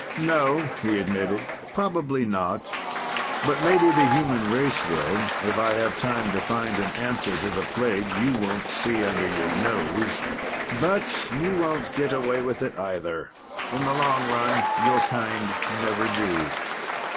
"No," he admitted. "Probably not. But maybe the human race will, if I have time to find an answer to the plague you won't see under your nose. But you won't get away with it, either. In the long run, your kind never do."